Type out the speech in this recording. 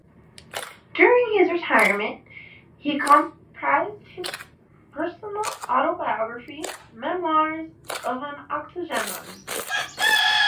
During his retirement, he comprised his personal autobiography, "Memoirs of an Octogenarian".